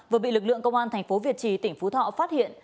vừa bị lực lượng công an thành phố việt trì tỉnh phú thọ phát hiện